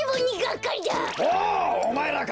おおまえらか。